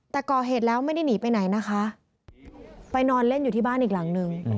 แต่ก่อเหตุแล้วไม่ได้หนีไปไหนนะคะไปนอนเล่นอยู่ที่บ้านอีกหลังนึง